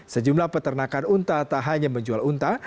sejumlah peternakan unta tak hanya menjual unta